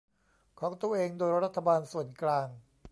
ของตัวเองโดยรัฐบาลส่วนกลาง